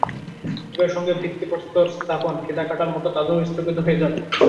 একই সঙ্গে ভিত্তিপ্রস্তর স্থাপন, ফিতা কাটার মতো কাজও স্থগিত হয়ে যাবে।